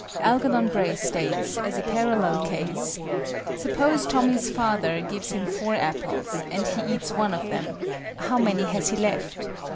ALGERNON BRAY states, as a parallel case, "suppose Tommy's father gives him 4 apples, and he eats one of them, how many has he left?"